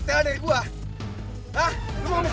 dalam evang improve itu